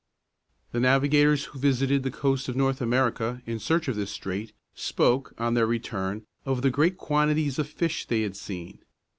The navigators who visited the coast of North America in search of this strait, spoke, on their return, of the great quantities of fish they had seen.